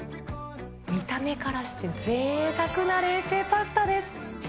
見た目からしてぜいたくな冷製パスタです。